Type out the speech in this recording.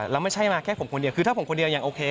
แล้วไม่ใช่มาแค่ผมคนเดียวคือถ้าผมคนเดียวยังโอเค